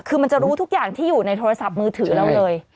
คือมันจะรู้ทุกอย่างที่อยู่ในโทรศัพท์มือถือเราเลย